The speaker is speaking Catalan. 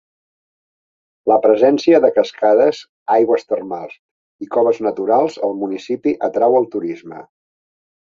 La presència de cascades, aigües termals i coves naturals al municipi atrau el turisme.